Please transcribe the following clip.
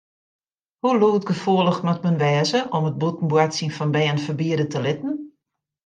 Hoe lûdgefoelich moat men wêze om it bûten boartsjen fan bern ferbiede te litten?